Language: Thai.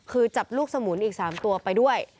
คือจับลูกสมุนอีก๓ตัวไปด้วย